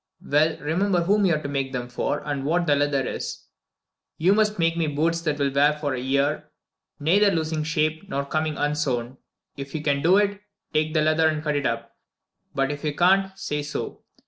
Well, remember whom you are to make them for, and what the leather is. You must make me boots that will wear for a year, neither losing shape nor coming unsown. If you can do it, take the leather and cut it up; but if you can't, say so.